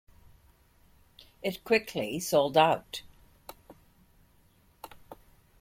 It quickly sold out.